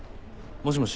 もしもし。